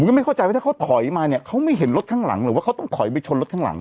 ก็ไม่เข้าใจว่าถ้าเขาถอยมาเนี่ยเขาไม่เห็นรถข้างหลังหรือว่าเขาต้องถอยไปชนรถข้างหลัง